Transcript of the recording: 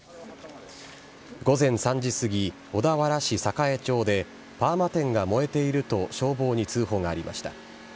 午前３時過ぎ、小田原市栄町でパーマ店が燃えていると消防に通報がありました。